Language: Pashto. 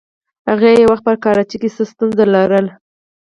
هغې یو وخت په کراچۍ کې څه ستونزه لرله.